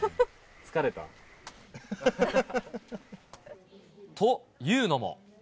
疲れた？というのも。